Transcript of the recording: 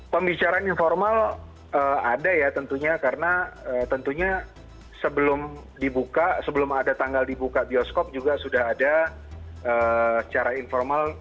pembicaraan informal ada ya tentunya karena tentunya sebelum dibuka sebelum ada tanggal dibuka bioskop juga sudah ada secara informal